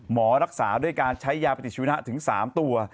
หมอรักษาด้วยการใช้ยาปฏิชีนะถึง๓ตัว